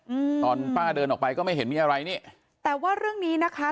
อืมตอนป้าเดินออกไปก็ไม่เห็นมีอะไรนี่แต่ว่าเรื่องนี้นะคะ